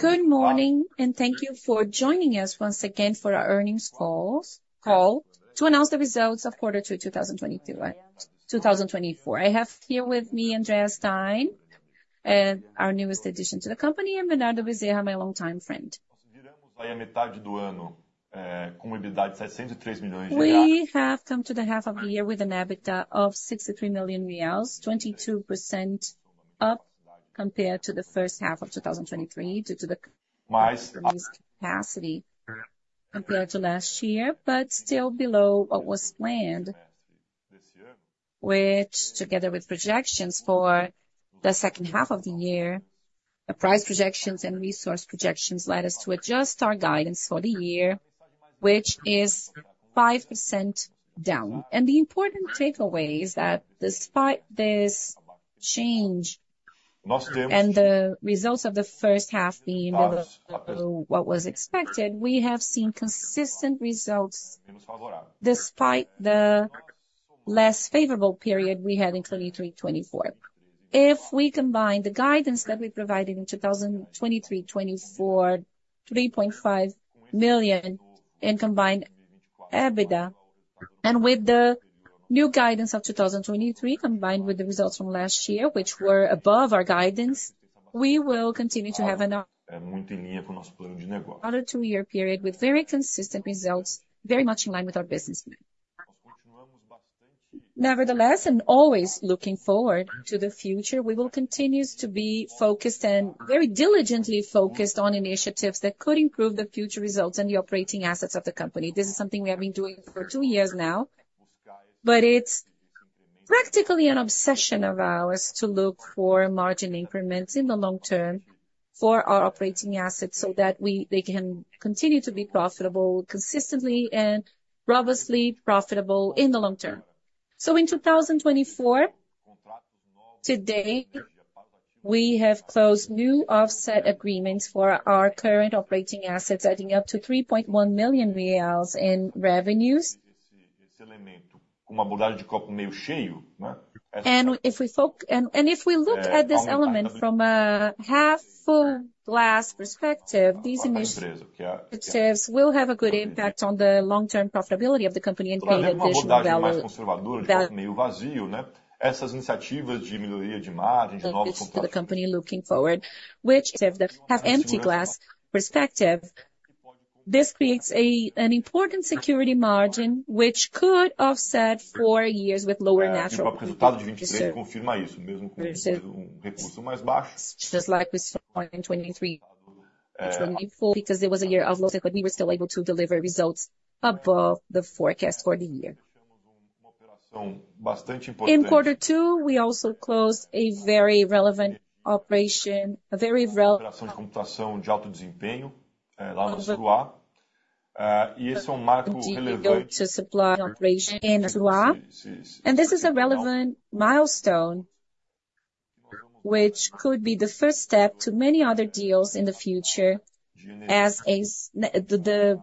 Good morning, and thank you for joining us once again for our earnings calls, call to announce the results of quarter two, 2022, 2024. I have here with me Andrea Sztajn, our newest addition to the company, and Bernardo Bezerra, my longtime friend. We have come to the half of the year with an EBITDA of BRL 63 million, 22% up compared to the first half of 2023, due to the capacity compared to last year, but still below what was planned. Which, together with projections for the second half of the year, the price projections and resource projections led us to adjust our guidance for the year, which is 5% down. The important takeaway is that despite this change, and the results of the first half being below what was expected, we have seen consistent results despite the less favorable period we had in 2023-2024. If we combine the guidance that we provided in 2023-2024, 3.5 billion in combined EBITDA, and with the new guidance of 2023, combined with the results from last year, which were above our guidance, we will continue to have another two-year period with very consistent results, very much in line with our business plan. Nevertheless, and always looking forward to the future, we will continue to be focused, and very diligently focused on initiatives that could improve the future results and the operating assets of the company. This is something we have been doing for two years now, but it's practically an obsession of ours to look for margin increments in the long term for our operating assets, so that they can continue to be profitable consistently and robustly profitable in the long term. So in 2024, today, we have closed new offset agreements for our current operating assets, adding up to 3.1 million reais in revenues. And if we looked at this element from a half-full glass perspective, these initiatives will have a good impact on the long-term profitability of the company and bring additional value to the company looking forward, which if they have empty glass perspective, this creates an important security margin, which could offset four years with lower natural resources. Just like we saw in 2023, 2024, because it was a year of loss, but we were still able to deliver results above the forecast for the year. In quarter two, we also closed a very relevant deal to supply operation in Assuruá. This is a relevant milestone, which could be the first step to many other deals in the future, as the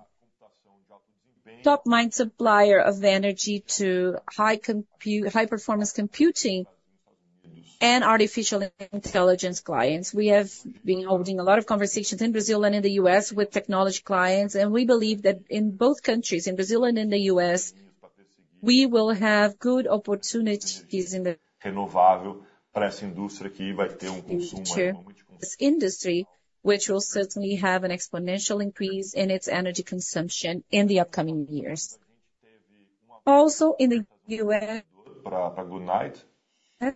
top-of-mind supplier of energy to high performance computing and artificial intelligence clients. We have been holding a lot of conversations in Brazil and in the U.S. with technology clients, and we believe that in both countries, in Brazil and in the U.S., we will have good opportunities in this industry, which will certainly have an exponential increase in its energy consumption in the upcoming years. Also, in the U.S., to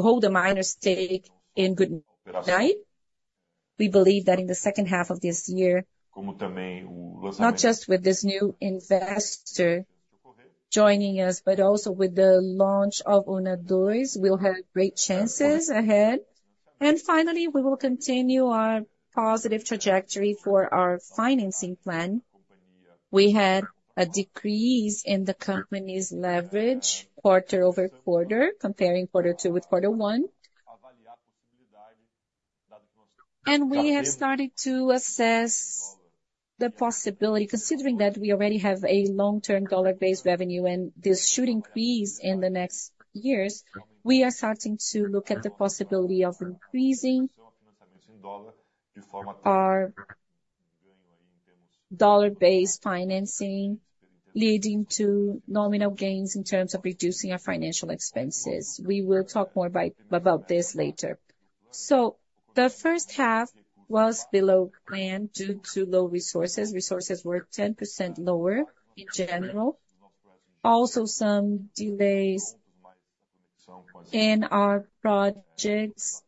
hold a minor stake in Goodnight 1. We believe that in the second half of this year, not just with this new investor joining us, but also with the launch of Goodnight 2, we'll have great chances ahead. And finally, we will continue our positive trajectory for our financing plan. We had a decrease in the company's leverage quarter over quarter, comparing quarter two with quarter one. And we have started to assess the possibility, considering that we already have a long-term dollar-based revenue, and this should increase in the next years. We are starting to look at the possibility of increasing our dollar-based financing, leading to nominal gains in terms of reducing our financial expenses. We will talk more about this later. So the first half was below plan due to low resources. Resources were 10% lower in general. Also, some delays in our projects.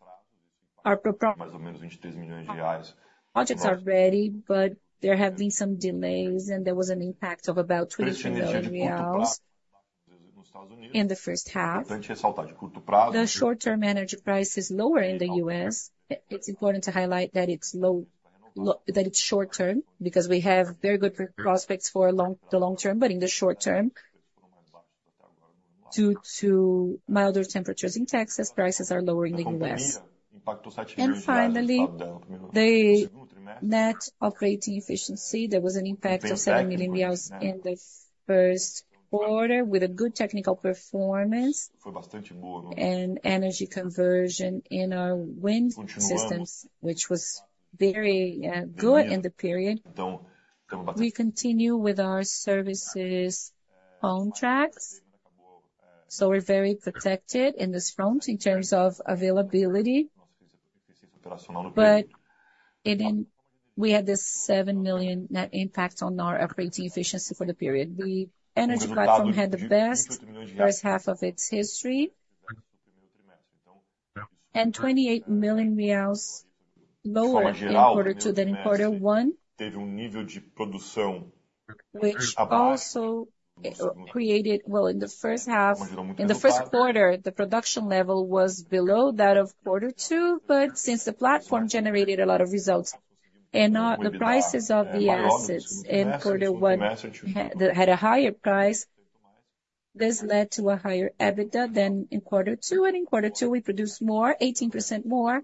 Our projects are ready, but there have been some delays, and there was an impact of about BRL 200 million in the first half. The short-term energy price is lower in the U.S. It's important to highlight that it's low, that it's short-term, because we have very good prospects for the long term, but in the short term, due to milder temperatures in Texas, prices are lower in the U.S. And finally, net operating efficiency. There was an impact of 7 million in the first quarter, with a good technical performance and energy conversion in our wind systems, which was very good in the period. We continue with our services on tracks, so we're very protected in this front in terms of availability. But it didn't. We had this 7 million net impact on our operating efficiency for the period. The energy platform had the best first half of its history. 28 million reais lower in quarter two than in quarter one, which also created. Well, in the first half, in the first quarter, the production level was below that of quarter two, but since the platform generated a lot of results, and now the prices of the assets in quarter one had a higher price, this led to a higher EBITDA than in quarter two, and in quarter two, we produced more, 18% more.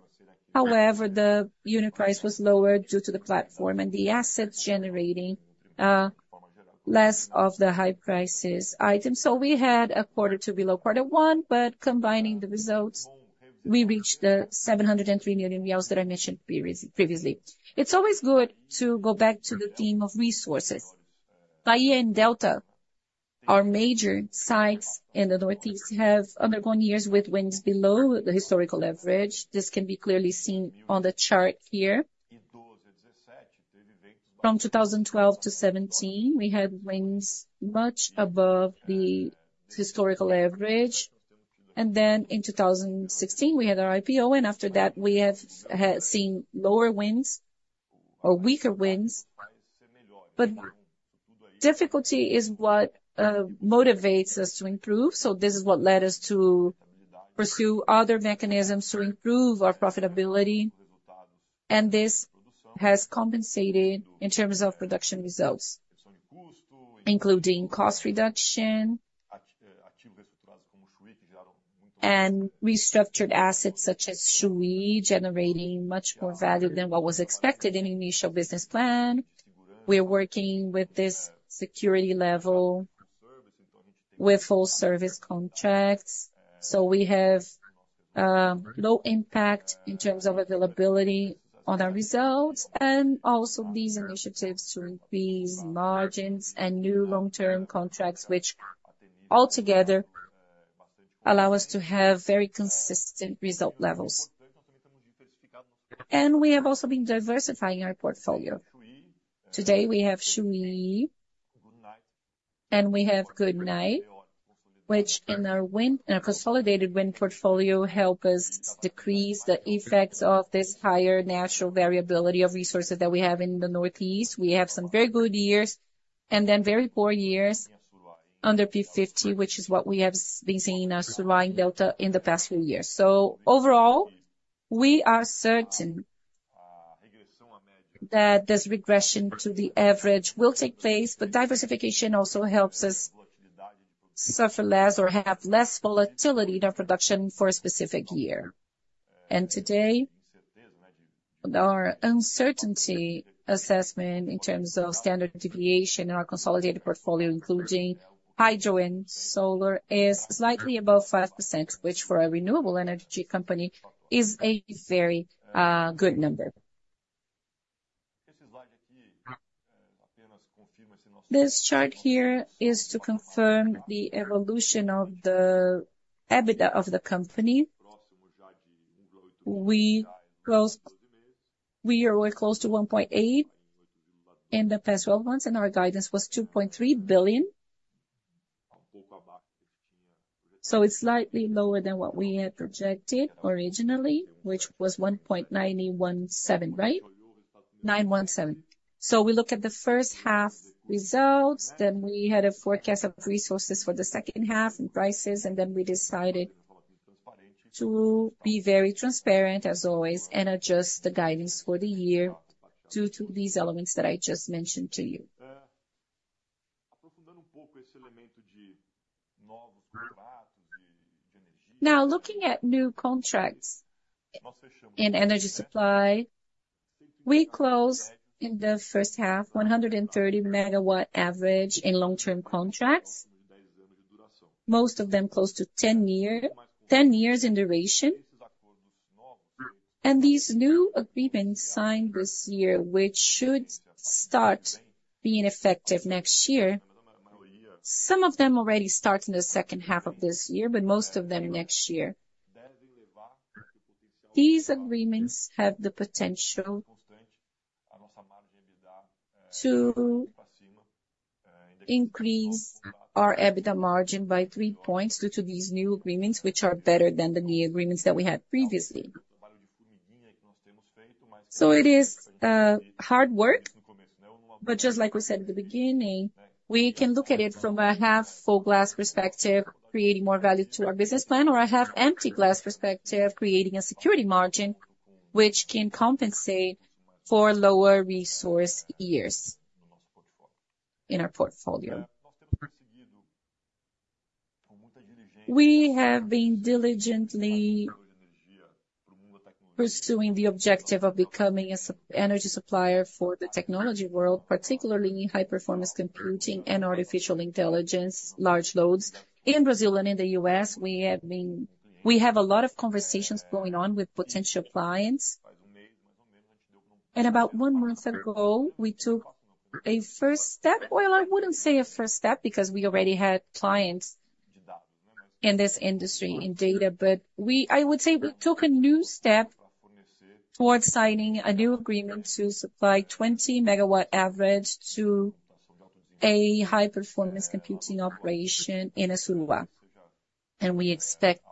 However, the unit price was lower due to the platform and the assets generating less of the high prices items. So we had quarter two below quarter one, but combining the results, we reached 703 million that I mentioned previously. It's always good to go back to the theme of resources. Bahia and Delta, our major sites in the Northeast, have undergone years with winds below the historical average. This can be clearly seen on the chart here. From 2012 to 2017, we had winds much above the historical average, and then in 2016, we had our IPO, and after that, we have seen lower winds or weaker winds. But difficulty is what motivates us to improve, so this is what led us to pursue other mechanisms to improve our profitability, and this has compensated in terms of production results, including cost reduction, and restructured assets such as Chuí, generating much more value than what was expected in initial business plan. We're working with this security level with full service contracts, so we have low impact in terms of availability on our results, and also these initiatives to increase margins and new long-term contracts, which altogether allow us to have very consistent result levels. And we have also been diversifying our portfolio. Today, we have Chuí and we have Goodnight, which in our consolidated wind portfolio, help us decrease the effects of this higher natural variability of resources that we have in the Northeast. We have some very good years and then very poor years under P50, which is what we have been seeing in our Assuruá and Delta in the past few years. So overall, we are certain that this regression to the average will take place, but diversification also helps us suffer less or have less volatility in our production for a specific year. And today, our uncertainty assessment in terms of standard deviation in our consolidated portfolio, including hydro and solar, is slightly above 5%, which for a renewable energy company is a very, good number. This chart here is to confirm the evolution of the EBITDA of the company. We are very close to 1.8 billion in the past twelve months, and our guidance was 2.3 billion. So it's slightly lower than what we had projected originally, which was 1.917, right? 1.917. So we look at the first half results, then we had a forecast of resources for the second half and prices, and then we decided to be very transparent, as always, and adjust the guidance for the year due to these elements that I just mentioned to you. Now, looking at new contracts in energy supply, we closed in the first half, 130 MW average in long-term contracts, most of them close to 10 years in duration. And these new agreements signed this year, which should start being effective next year, some of them already start in the second half of this year, but most of them next year. These agreements have the potential to increase our EBITDA margin by three points due to these new agreements, which are better than the new agreements that we had previously. So it is hard work, but just like we said at the beginning, we can look at it from a half-full glass perspective, creating more value to our business plan, or a half-empty glass perspective, creating a security margin, which can compensate for lower resource years in our portfolio. We have been diligently pursuing the objective of becoming a super-energy supplier for the technology world, particularly in high-performance computing and artificial intelligence, large loads. In Brazil and in the U.S., we have a lot of conversations going on with potential clients. And about one month ago, we took a first step. Well, I wouldn't say a first step, because we already had clients in this industry, in data. But we—I would say we took a new step towards signing a new agreement to supply 20 MW average to a high-performance computing operation in Assuruá. And we expect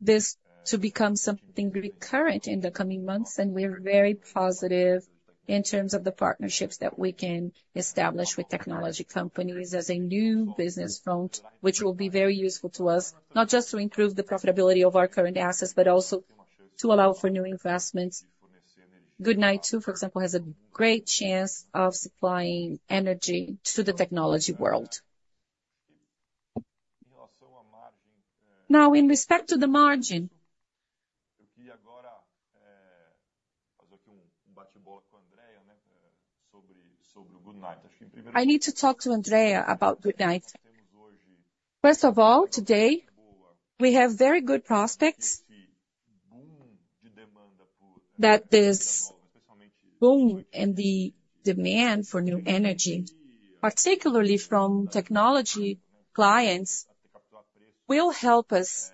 this to become something very current in the coming months, and we're very positive in terms of the partnerships that we can establish with technology companies as a new business front, which will be very useful to us, not just to improve the profitability of our current assets, but also to allow for new investments. Goodnight 2, for example, has a great chance of supplying energy to the technology world. Now, in respect to the margin, I need to talk to Andrea about Goodnight. First of all, today, we have very good prospects that this boom in the demand for new energy, particularly from technology clients, will help us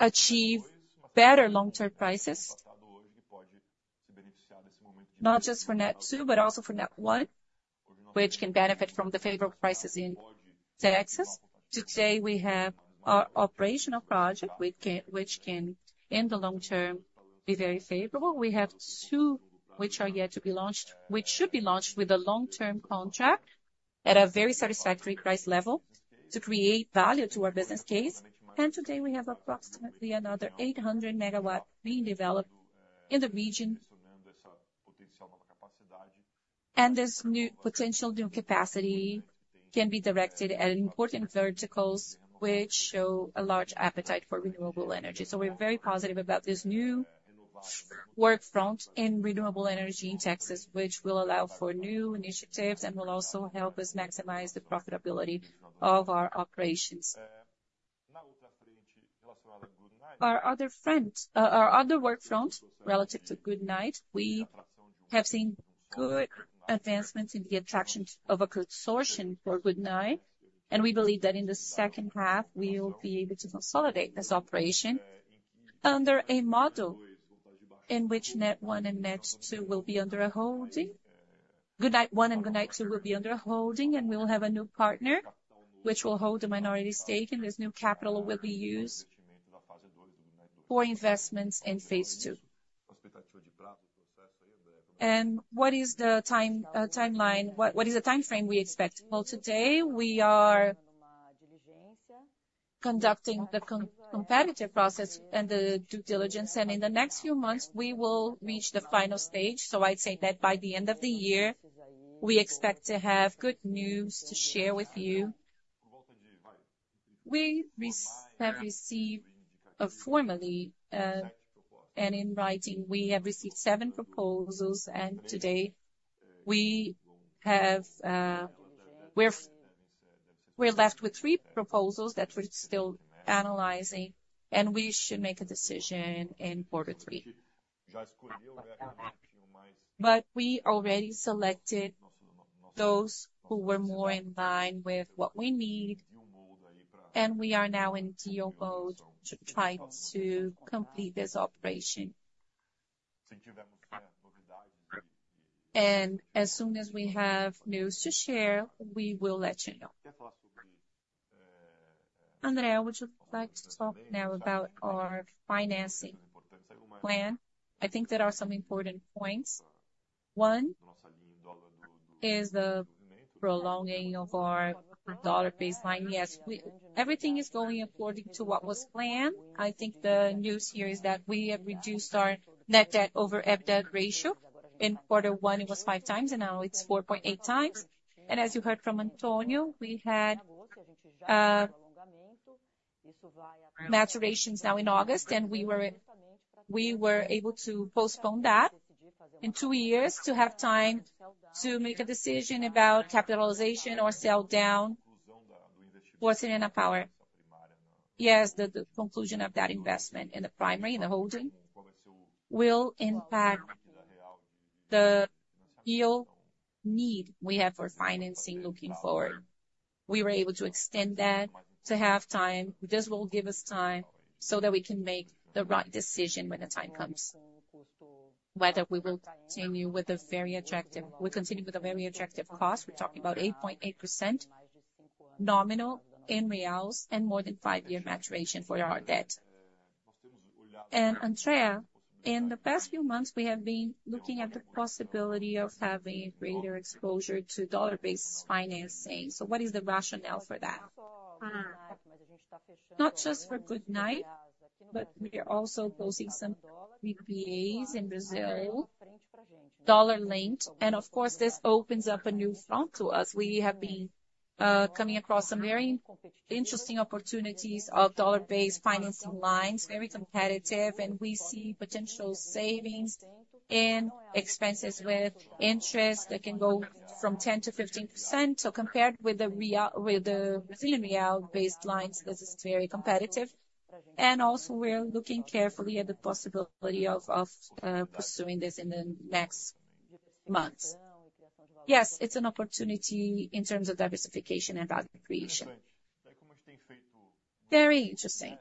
achieve better long-term prices, not just for Goodnight 2, but also for Goodnight 1, which can benefit from the favorable prices in Texas. Today, we have our operational project, which can in the long term be very favorable. We have two which are yet to be launched, which should be launched with a long-term contract at a very satisfactory price level to create value to our business case. And today, we have approximately another 800 MW being developed in the region, and this new potential, new capacity can be directed at important verticals, which show a large appetite for renewable energy. So we're very positive about this new work front in renewable energy in Texas, which will allow for new initiatives and will also help us maximize the profitability of our operations. Our other front, our other work front, relative to Goodnight, we have seen good advancements in the attraction of a consortium for Goodnight, and we believe that in the second half, we will be able to consolidate this operation under a model in which Goodnight 1 and Goodnight 2 will be under a holding. Goodnight One and Goodnight Two will be under a holding, and we will have a new partner, which will hold a minority stake, and this new capital will be used for investments in phase II. And what is the time, timeline, what is the time frame we expect? Well, today we are conducting the competitive process and the due diligence, and in the next few months, we will reach the final stage. So I'd say that by the end of the year, we expect to have good news to share with you. We have received formally and in writing seven proposals, and today we have, we're left with three proposals that we're still analyzing, and we should make a decision in quarter three. But we already selected those who were more in line with what we need, and we are now in deal mode to try to complete this operation. And as soon as we have news to share, we will let you know. Andrea, would you like to talk now about our financing plan? I think there are some important points. One is the prolonging of our dollar baseline. Yes, everything is going according to what was planned. I think the news here is that we have reduced our net debt over EBITDA ratio. In quarter one, it was 5x, and now it's 4.8x. And as you heard from Antonio, we had maturities now in August, and we were, we were able to postpone that in 2 years to have time to make a decision about capitalization or sell down for Serena Energia. Yes, the conclusion of that investment in the primary, in the holding, will impact the real need we have for financing looking forward. We were able to extend that to have time. This will give us time so that we can make the right decision when the time comes. We continue with a very attractive cost. We're talking about 8.8% nominal in reals and more than five-year maturation for our debt. And Andrea, in the past few months, we have been looking at the possibility of having greater exposure to dollar-based financing. So what is the rationale for that? Not just for Goodnight, but we are also closing some PPAs in Brazil, dollar-linked. And of course, this opens up a new front to us. We have been coming across some very interesting opportunities of dollar-based financing lines, very competitive, and we see potential savings in expenses with interest that can go from 10%-15%. So compared with the real-with the Brazilian real-based lines, this is very competitive. Also we're looking carefully at the possibility of pursuing this in the next months. Yes, it's an opportunity in terms of diversification and value creation. Very interesting.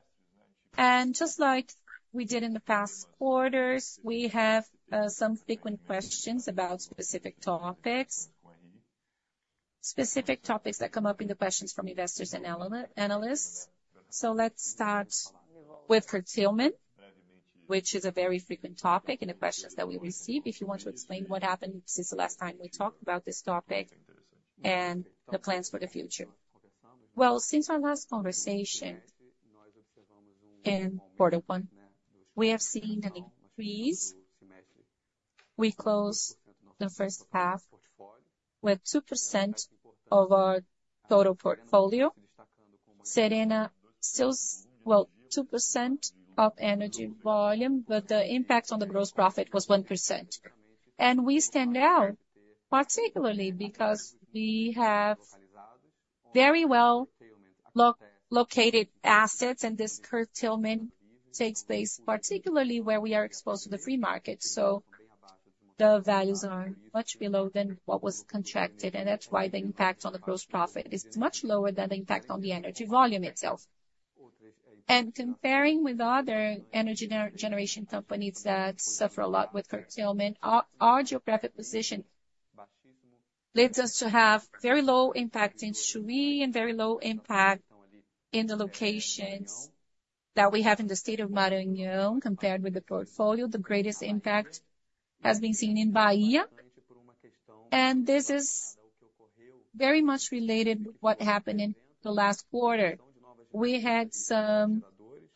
And just like we did in the past quarters, we have some frequent questions about specific topics. Specific topics that come up in the questions from investors and analysts. So let's start with curtailment, which is a very frequent topic in the questions that we receive. If you want to explain what happened since the last time we talked about this topic, and the plans for the future? Well, since our last conversation in quarter one, we have seen an increase. We closed the first half with 2% of our total portfolio. Still, well, 2% of energy volume, but the impact on the gross profit was 1%. We stand out, particularly because we have very well located assets, and this curtailment takes place, particularly where we are exposed to the free market. So the values are much below than what was contracted, and that's why the impact on the gross profit is much lower than the impact on the energy volume itself. Comparing with other energy generation companies that suffer a lot with curtailment, our geographic position leads us to have very low impact in Chuí, and very low impact in the locations that we have in the state of Maranhão, compared with the portfolio. The greatest impact has been seen in Bahia, and this is very much related with what happened in the last quarter. We had some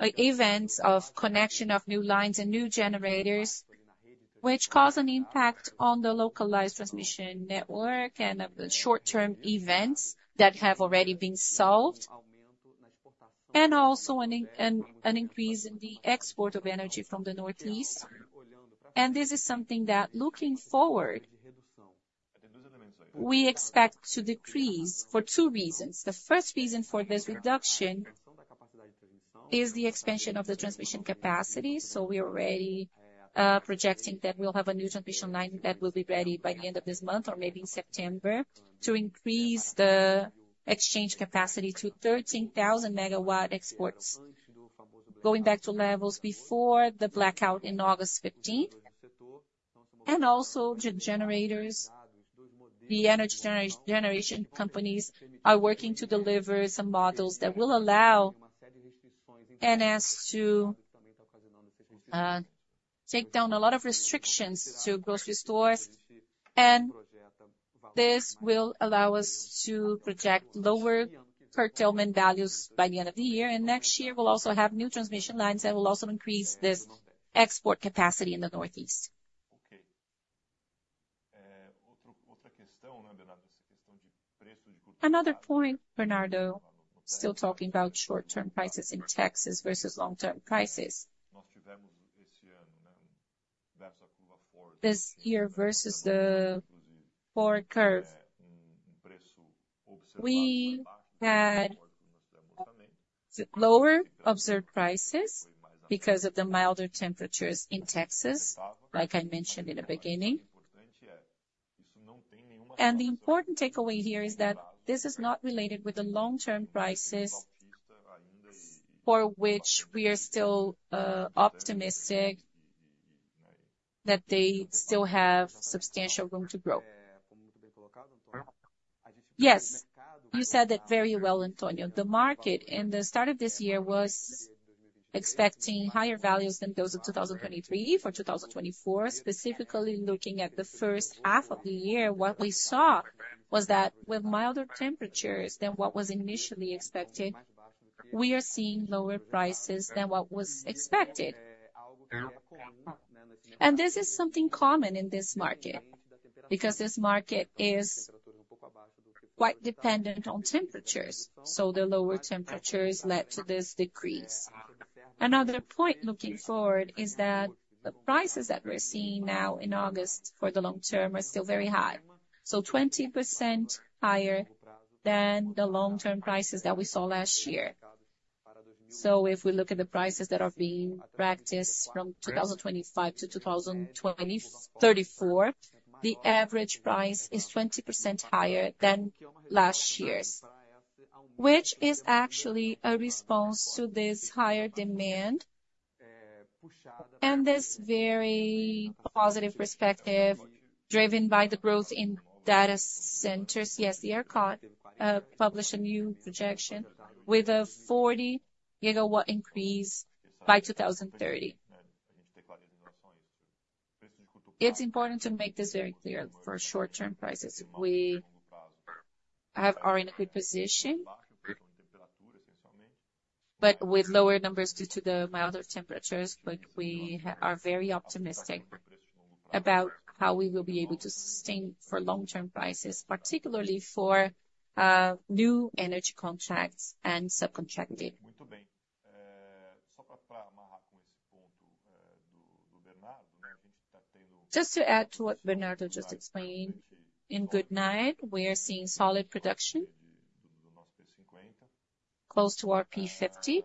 events of connection of new lines and new generators, which caused an impact on the localized transmission network and of the short-term events that have already been solved, and also an increase in the export of energy from the Northeast. And this is something that, looking forward, we expect to decrease for two reasons. The first reason for this reduction is the expansion of the transmission capacity. So we are already projecting that we'll have a new transmission line that will be ready by the end of this month, or maybe in September, to increase the exchange capacity to 13,000 MW exports, going back to levels before the blackout in August 15th. And also, the generators, the energy generation companies are working to deliver some models that will allow ONS to take down a lot of restrictions to generators, and this will allow us to project lower curtailment values by the end of the year. And next year, we'll also have new transmission lines that will also increase this export capacity in the Northeast. Another point, Bernardo, still talking about short-term prices in Texas versus long-term prices. This year, versus the forward curve, we had lower observed prices because of the milder temperatures in Texas, like I mentioned in the beginning. And the important takeaway here is that this is not related with the long-term prices, for which we are still optimistic that they still have substantial room to grow. Yes, you said it very well, Antonio. The market in the start of this year was expecting higher values than those of 2023 for 2024. Specifically, looking at the first half of the year, what we saw was that with milder temperatures than what was initially expected, we are seeing lower prices than what was expected. This is something common in this market, because this market is quite dependent on temperatures, so the lower temperatures led to this decrease. Another point looking forward is that the prices that we're seeing now in August for the long term are still very high, so 20% higher than the long-term prices that we saw last year. So if we look at the prices that are being practiced from 2025 to 2034, the average price is 20% higher than last year's, which is actually a response to this higher demand, and this very positive perspective, driven by the growth in data centers. Yes, the ERCOT published a new projection with a 40-GW increase by 2030. It's important to make this very clear, for short-term prices, we are in a good position, but with lower numbers due to the milder temperatures. But we are very optimistic about how we will be able to sustain for long-term prices, particularly for new energy contracts and subcontracting. Just to add to what Bernardo just explained, in Goodnight, we are seeing solid production close to our P-50.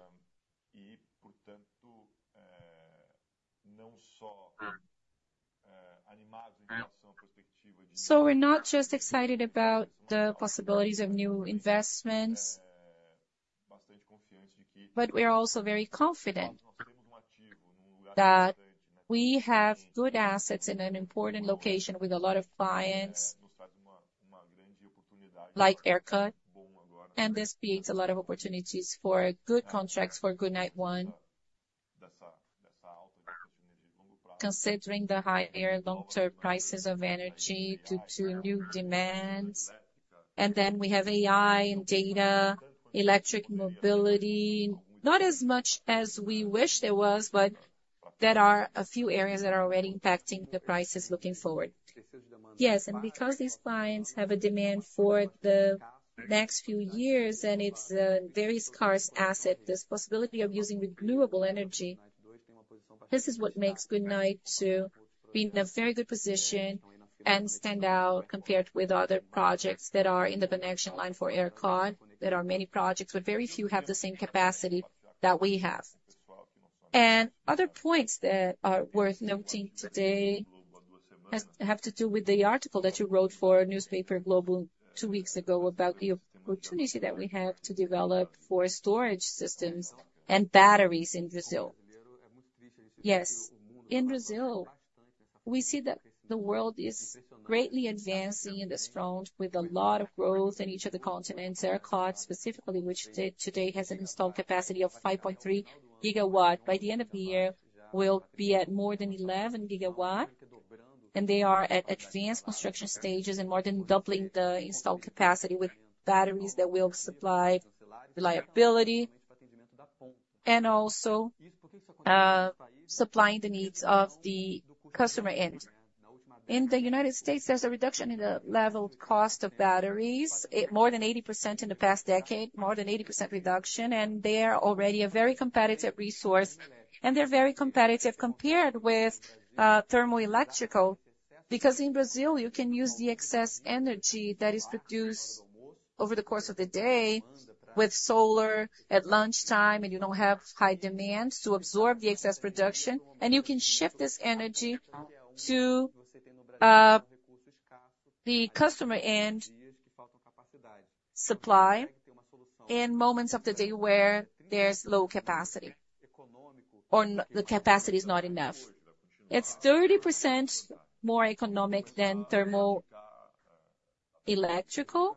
So we're not just excited about the possibilities of new investments, but we are also very confident that we have good assets in an important location with a lot of clients, like ERCOT, and this creates a lot of opportunities for good contracts for Goodnight 1. Considering the higher long-term prices of energy due to new demands, and then we have AI and data, electric mobility. Not as much as we wish there was, but there are a few areas that are already impacting the prices looking forward. Yes, and because these clients have a demand for the next few years, and it's a very scarce asset, this possibility of using renewable energy, this is what makes Goodnight 2 be in a very good position and stand out compared with other projects that are in the connection line for ERCOT. There are many projects, but very few have the same capacity that we have. And other points that are worth noting today have to do with the article that you wrote for O Globo two weeks ago, about the opportunity that we have to develop for storage systems and batteries in Brazil. Yes, in Brazil, we see that the world is greatly advancing in this front, with a lot of growth in each of the continents. ERCOT, specifically, which today has an installed capacity of 5.3 GW. By the end of the year, will be at more than 11 GW, and they are at advanced construction stages and more than doubling the installed capacity with batteries that will supply reliability, and also supplying the needs of the customer end. In the United States, there's a reduction in the level cost of batteries, at more than 80% in the past decade, more than 80% reduction, and they are already a very competitive resource, and they're very competitive compared with thermal electrical. Because in Brazil, you can use the excess energy that is produced over the course of the day with solar at lunchtime, and you don't have high demand to absorb the excess production, and you can shift this energy to the customer end supply in moments of the day where there's low capacity or the capacity is not enough. It's 30% more economic than thermal electrical.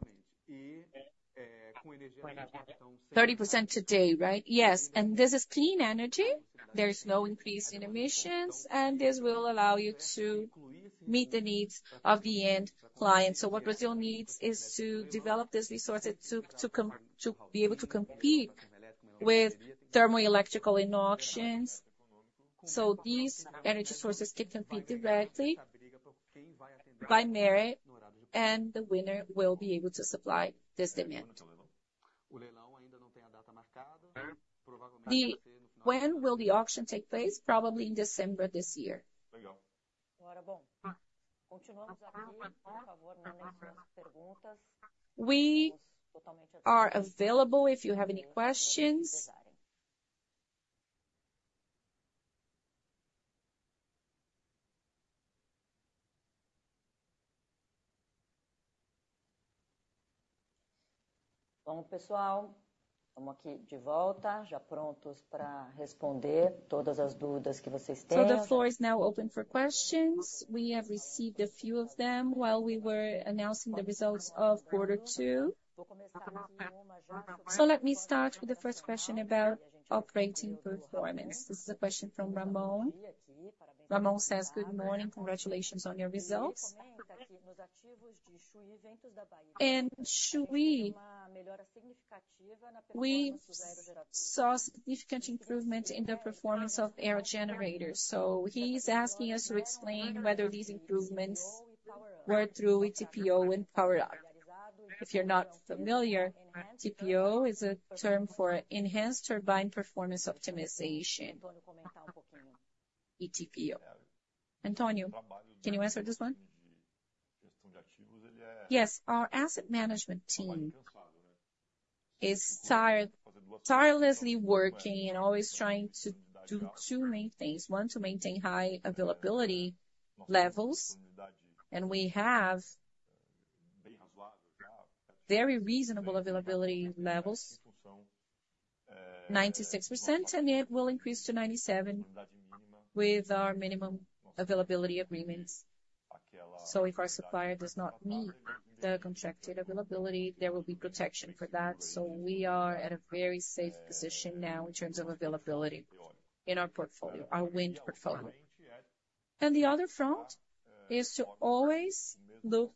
30% today, right? Yes, and this is clean energy. There is no increase in emissions, and this will allow you to meet the needs of the end client. So what Brazil needs is to develop this resource to be able to compete with thermal electrical in auctions. So these energy sources can compete directly by merit, and the winner will be able to supply this demand. When will the auction take place? Probably in December this year. We are available if you have any questions. So the floor is now open for questions. We have received a few of them while we were announcing the results of quarter two. So let me start with the first question about operating performance. This is a question from Ramon. Ramon says, "Good morning, congratulations on your results. In Chuí, we saw significant improvement in the performance of wind generators?" So he's asking us to explain whether these improvements were through ETPO and PowerUp. If you're not familiar, ETPO is a term for Enhanced Turbine Performance Optimization, ETPO. Antonio, can you answer this one? Yes. Our asset management team is tirelessly working and always trying to do two main things. One, to maintain high availability levels, and we have very reasonable availability levels, 96%, and it will increase to 97% with our minimum availability agreements. So if our supplier does not meet the contracted availability, there will be protection for that. So we are at a very safe position now in terms of availability in our portfolio, our wind portfolio. And the other front is to always look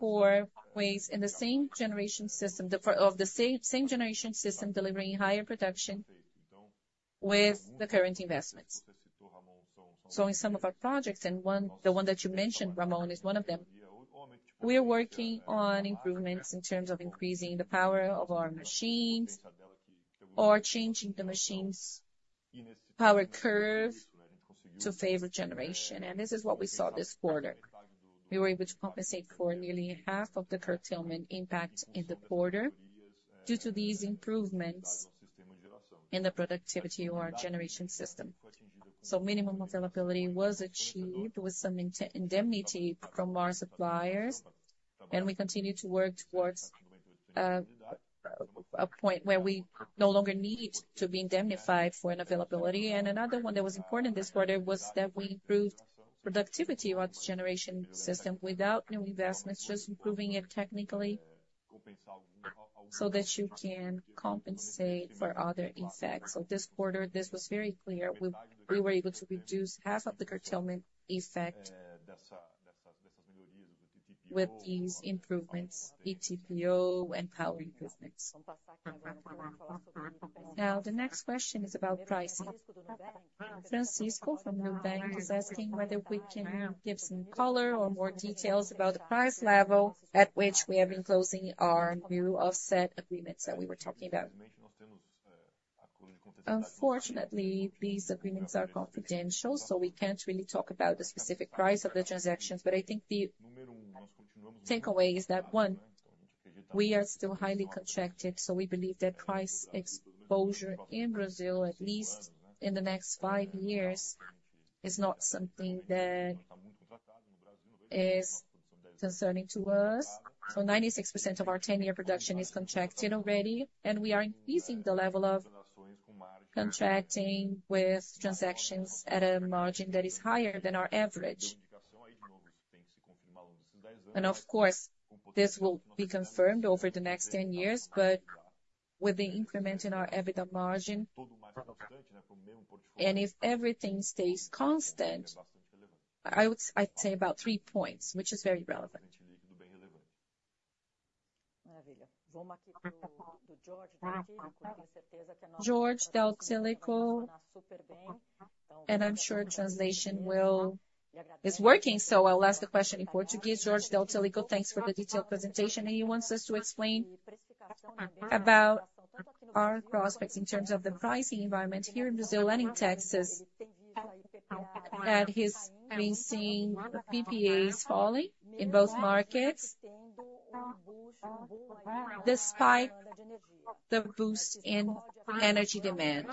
for ways in the same generation system, of the same generation system, delivering higher production with the current investments. So in some of our projects, and one, the one that you mentioned, Ramon, is one of them. We are working on improvements in terms of increasing the power of our machines or changing the machine's power curve to favor generation. This is what we saw this quarter. We were able to compensate for nearly half of the curtailment impact in the quarter due to these improvements in the productivity of our generation system. Minimum availability was achieved with some indemnity from our suppliers, and we continue to work towards a point where we no longer need to be indemnified for unavailability. Another one that was important this quarter was that we improved productivity of our generation system without new investments, just improving it technically, so that you can compensate for other effects. This quarter, this was very clear. We were able to reduce half of the curtailment effect with these improvements, ETPO and power improvements. Now, the next question is about pricing. Francisco from Nubank is asking whether we can give some color or more details about the price level at which we have been closing our new offset agreements that we were talking about. Unfortunately, these agreements are confidential, so we can't really talk about the specific price of the transactions. But I think the takeaway is that, one, we are still highly contracted, so we believe that price exposure in Brazil, at least in the next five years, is not something that is concerning to us. So 96% of our 10-year production is contracted already, and we are increasing the level of contracting with transactions at a margin that is higher than our average. And of course, this will be confirmed over the next 10 years, but with the increment in our EBITDA margin, and if everything stays constant, I'd say about three points, which is very relevant. Jorge, and I'm sure translation will—It's working, so I'll ask the question in Portuguese. Jorge, thanks for the detailed presentation. And he wants us to explain about our prospects in terms of the pricing environment here in Brazil and in Texas, that he's been seeing PPAs falling in both markets despite the boost in energy demand.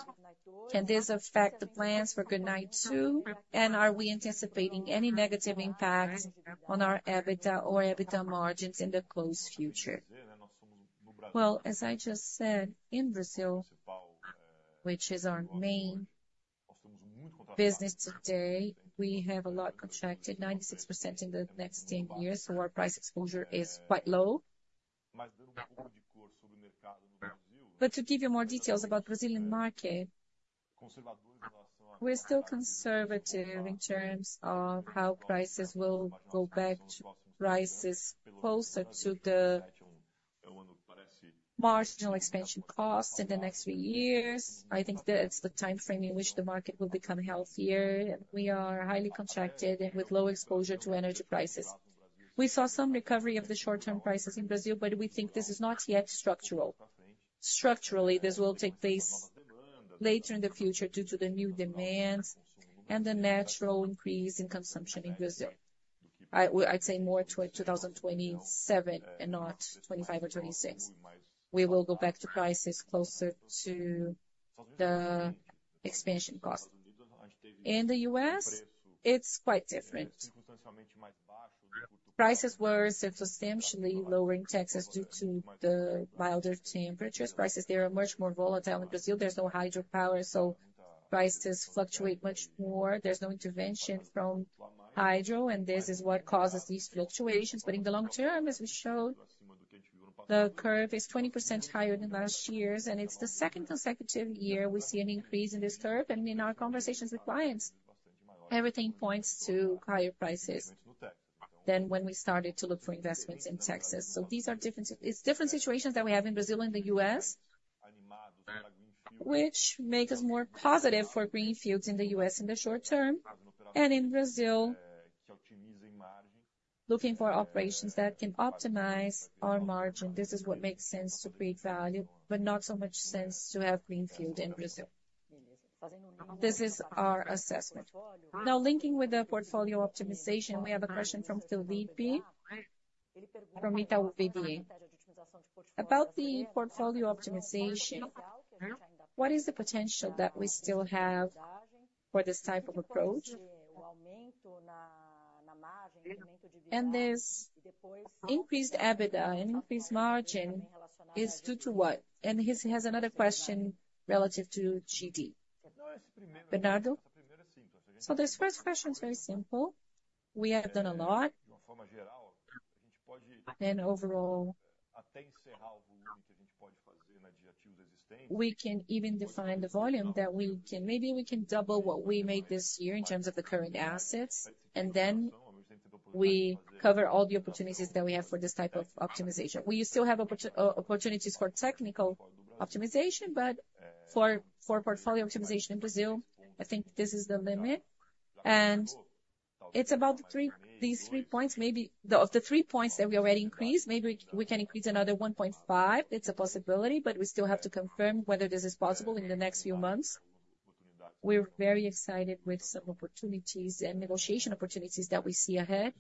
Can this affect the plans for Goodnight 2? And are we anticipating any negative impacts on our EBITDA or EBITDA margins in the close future? Well, as I just said, in Brazil, which is our main business today, we have a lot contracted, 96% in the next ten years, so our price exposure is quite low. But to give you more details about Brazilian market, we're still conservative in terms of how prices will go back to prices closer to the marginal expansion cost in the next three years. I think that's the time frame in which the market will become healthier. We are highly contracted and with low exposure to energy prices. We saw some recovery of the short-term prices in Brazil, but we think this is not yet structural. Structurally, this will take place later in the future due to the new demands and the natural increase in consumption in Brazil. I'd say more toward 2027 and not 2025 or 2026. We will go back to prices closer to the expansion cost. In the U.S., it's quite different. Prices were substantially lower in Texas due to the milder temperatures. Prices there are much more volatile. In Brazil, there's no hydropower, so prices fluctuate much more. There's no intervention from hydro, and this is what causes these fluctuations. In the long term, as we showed, the curve is 20% higher than last year's, and it's the second consecutive year we see an increase in this curve. In our conversations with clients, everything points to higher prices than when we started to look for investments in Texas. These are different, it's different situations that we have in Brazil and the U.S., which make us more positive for Greenfields in the U.S. in the short term. In Brazil, looking for operations that can optimize our margin. This is what makes sense to create value, but not so much sense to have greenfield in Brazil. This is our assessment. Now, linking with the portfolio optimization, we have a question from Felipe, from Itaú BBA. About the portfolio optimization, what is the potential that we still have for this type of approach? And this increased EBITDA and increased margin is due to what? And he has another question relative to GD. Bernardo? So this first question is very simple. We have done a lot, and overall, we can even define the volume that we can—maybe we can double what we made this year in terms of the current assets, and then we cover all the opportunities that we have for this type of optimization. We still have opportunities for technical optimization, but for, for portfolio optimization in Brazil, I think this is the limit. It's about the three, these three points, maybe, of the three points that we already increased, maybe we can increase another 1.5. It's a possibility, but we still have to confirm whether this is possible in the next few months. We're very excited with some opportunities and negotiation opportunities that we see ahead.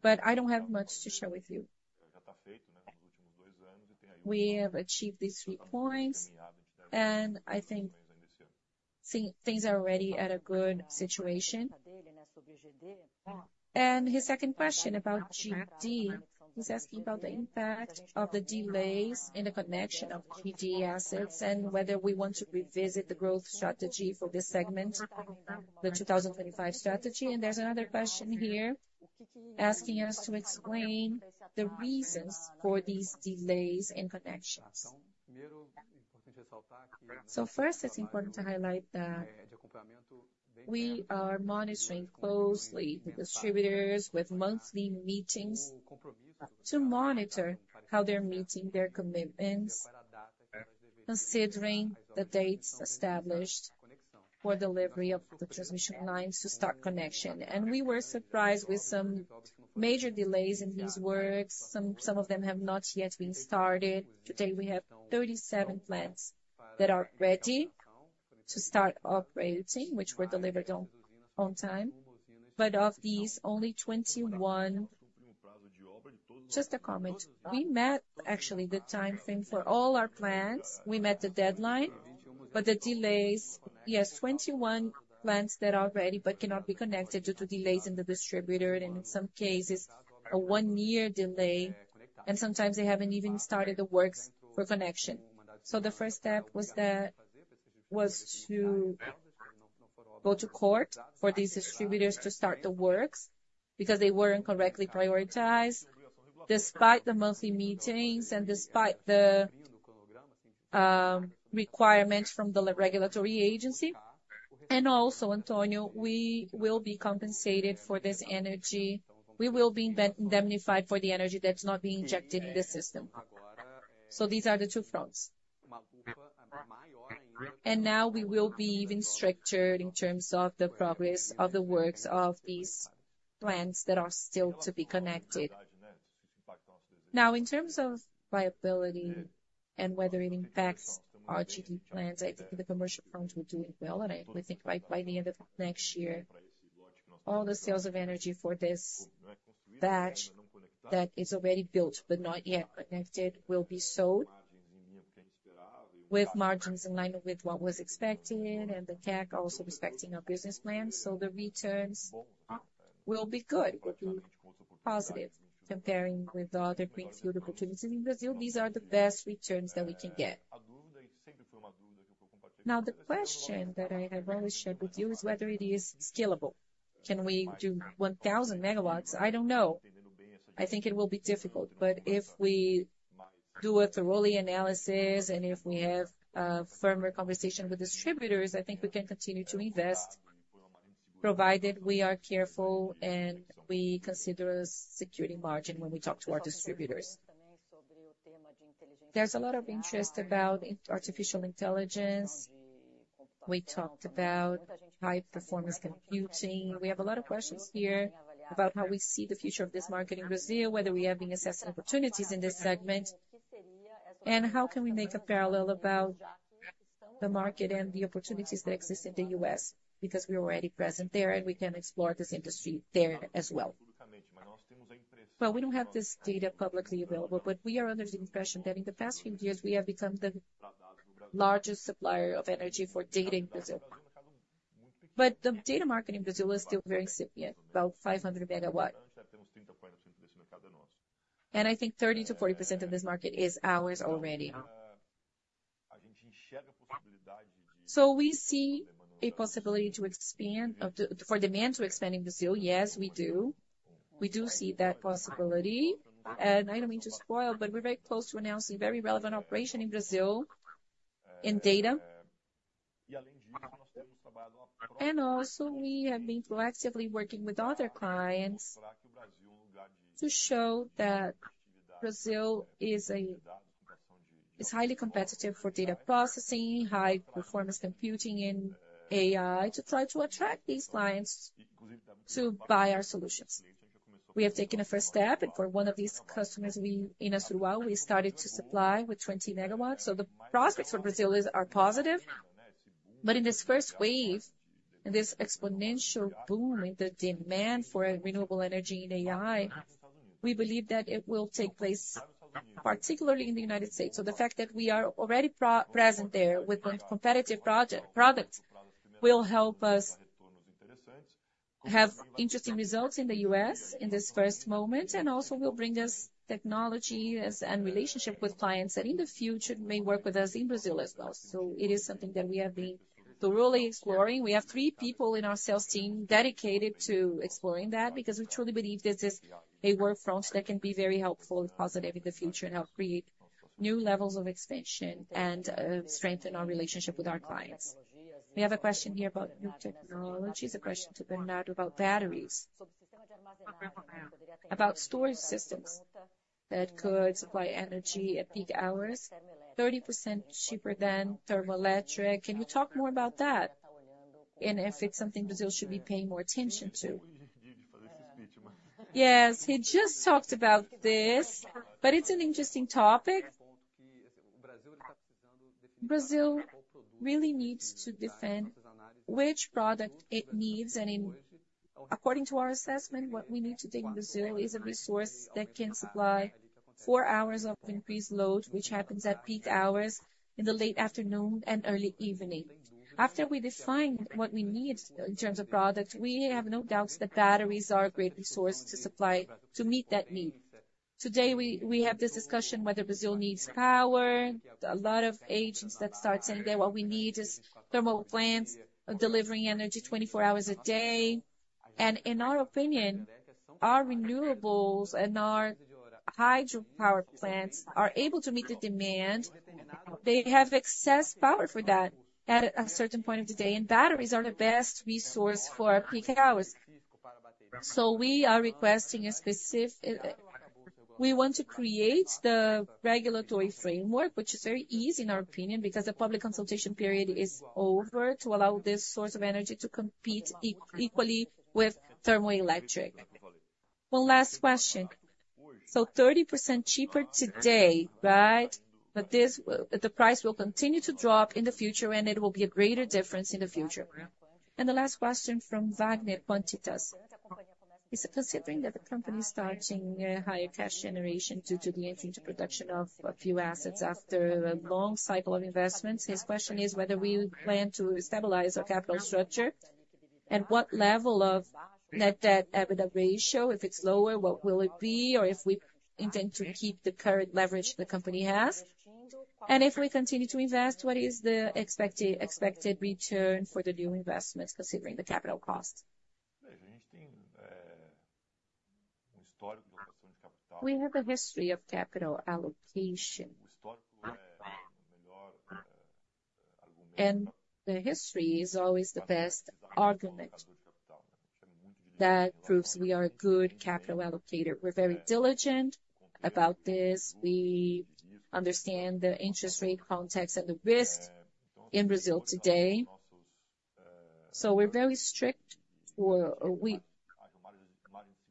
But I don't have much to share with you. We have achieved these three points, and I think things are already at a good situation. And his second question about GD, he's asking about the impact of the delays in the connection of GD assets and whether we want to revisit the growth strategy for this segment, the 2025 strategy. And there's another question here, asking us to explain the reasons for these delays in connections. First, it's important to highlight that we are monitoring closely the distributors with monthly meetings to monitor how they're meeting their commitments, considering the dates established for delivery of the transmission lines to start connection. We were surprised with some major delays in these works. Some of them have not yet been started. Today, we have 37 plants that are ready to start operating, which were delivered on time. But of these, only 21—Just a comment, we met actually the time frame for all our plants. We met the deadline, but the delays, yes, 21 plants that are ready but cannot be connected due to delays in the distributor, and in some cases, a 1-year delay, and sometimes they haven't even started the works for connection. So the first step was to go to court for these distributors to start the works because they weren't correctly prioritized, despite the monthly meetings and despite the requirements from the regulatory agency. And also, Antonio, we will be compensated for this energy. We will be indemnified for the energy that's not being injected in the system. So these are the two fronts. And now we will be even stricter in terms of the progress of the works of these plants that are still to be connected. Now, in terms of viability and whether it impacts our GD plans, I think the commercial front will do it well, and I think by the end of next year, all the sales of energy for this batch that is already built but not yet connected, will be sold with margins in line with what was expected and the CAC also respecting our business plan. So the returns will be good, will be positive, comparing with other greenfield opportunities in Brazil, these are the best returns that we can get. Now, the question that I have already shared with you is whether it is scalable. Can we do 1,000 MW? I don't know. I think it will be difficult, but if we do a thorough analysis, and if we have a firmer conversation with distributors, I think we can continue to invest, provided we are careful and we consider a security margin when we talk to our distributors. There's a lot of interest about artificial intelligence. We talked about high-performance computing. We have a lot of questions here about how we see the future of this market in Brazil, whether we have been assessing opportunities in this segment, and how can we make a parallel about the market and the opportunities that exist in the U.S., because we're already present there, and we can explore this industry there as well. Well, we don't have this data publicly available, but we are under the impression that in the past few years, we have become the largest supplier of energy for data in Brazil. But the data market in Brazil is still very incipient, about 500 MW. And I think 30%-40% of this market is ours already. So we see a possibility to expand for demand to expand in Brazil. Yes, we do. We do see that possibility. And I don't mean to spoil, but we're very close to announcing a very relevant operation in Brazil in data. And also, we have been proactively working with other clients to show that Brazil is a, is highly competitive for data processing, high-performance computing in AI, to try to attract these clients to buy our solutions. We have taken a first step, and for one of these customers, we, in Assuruá, we started to supply with 20 MW. So the prospects for Brazil is, are positive. But in this first wave, in this exponential boom in the demand for renewable energy in AI, we believe that it will take place particularly in the United States. So the fact that we are already present there with competitive product, will help us have interesting results in the U.S. in this first moment, and also will bring us technology, and relationship with clients that in the future may work with us in Brazil as well. So it is something that we have been thoroughly exploring. We have three people in our sales team dedicated to exploring that, because we truly believe this is a work front that can be very helpful and positive in the future, and help create new levels of expansion and, strengthen our relationship with our clients. We have a question here about new technologies, a question to Bernardo about batteries. About storage systems that could supply energy at peak hours, 30% cheaper than thermoelectric. Can you talk more about that, and if it's something Brazil should be paying more attention to? Yes, he just talked about this, but it's an interesting topic. Brazil really needs to defend which product it needs, and in, according to our assessment, what we need today in Brazil is a resource that can supply four hours of increased load, which happens at peak hours in the late afternoon and early evening. After we define what we need in terms of product, we have no doubts that batteries are a great resource to supply to meet that need. Today, we, we have this discussion whether Brazil needs power. A lot of agents that start saying that what we need is thermal plants delivering energy 24 hours a day. In our opinion, our renewables and our hydropower plants are able to meet the demand. They have excess power for that at a certain point of the day, and batteries are the best resource for peak hours. We are requesting a specific regulatory framework, which is very easy in our opinion, because the public consultation period is over, to allow this source of energy to compete equally with thermoelectric. One last question. So 30% cheaper today, right? But this will the price will continue to drop in the future, and it will be a greater difference in the future. The last question Wagner from Quantitas. He's considering that the company is starting higher cash generation due to the entry into production of a few assets after a long cycle of investments. His question is whether we plan to stabilize our capital structure, and what level of net debt EBITDA ratio, if it's lower, what will it be? Or if we intend to keep the current leverage the company has. And if we continue to invest, what is the expected, expected return for the new investments, considering the capital cost? We have a history of capital allocation. And the history is always the best argument that proves we are a good capital allocator. We're very diligent about this. We understand the interest rate context and the risk in Brazil today, so we're very strict, or we,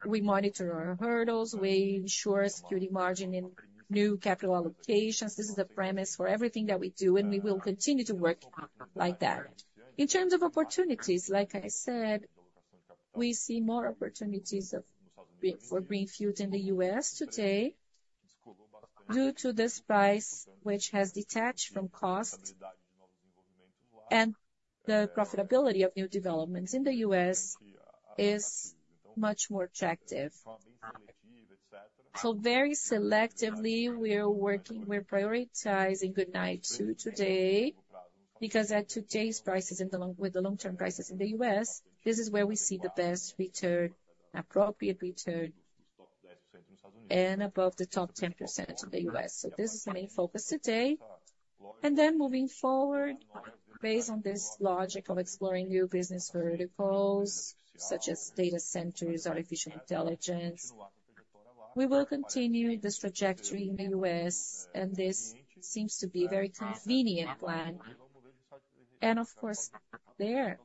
we monitor our hurdles, we ensure security margin in new capital allocations. This is a premise for everything that we do, and we will continue to work like that. In terms of opportunities, like I said, we see more opportunities for greenfield in the U.S. today, due to this price which has detached from cost, and the profitability of new developments in the U.S. is much more attractive. So very selectively, we are working, we're prioritizing Goodnight 2 today, because at today's prices with the long-term prices in the U.S., this is where we see the best return, appropriate return, and above the top 10% in the U.S. So this is the main focus today. And then moving forward, based on this logic of exploring new business verticals, such as data centers, artificial intelligence, we will continue this trajectory in the U.S., and this seems to be a very convenient plan. Of course, there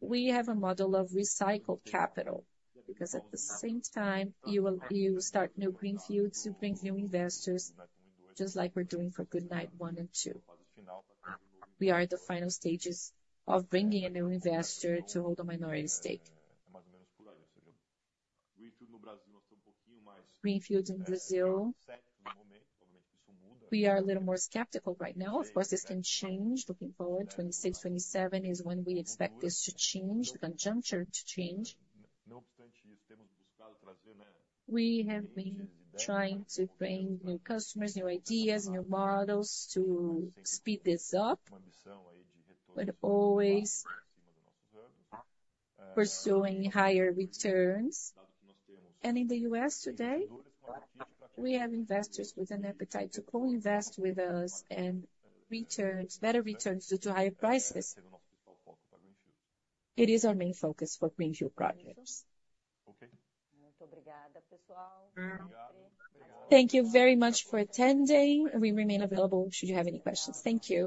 we have a model of recycled capital, because at the same time, you will, you start new greenfields, you bring new investors, just like we're doing for Goodnight 1 and 2. We are at the final stages of bringing a new investor to hold a minority stake. Greenfield in Brazil, we are a little more skeptical right now. Of course, this can change looking forward. 2026, 2027 is when we expect this to change, the conjuncture to change. We have been trying to bring new customers, new ideas, new models to speed this up, but always pursuing higher returns. In the U.S. today, we have investors with an appetite to co-invest with us, and returns, better returns due to higher prices. It is our main focus for greenfield projects. Thank you very much for attending. We remain available should you have any questions. Thank you.